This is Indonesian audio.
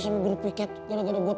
sambil berpikir gara gara gue